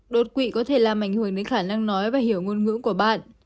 đột quỵ có thể làm ảnh hưởng đến khả năng nói và hiểu ngôn ngữ của bạn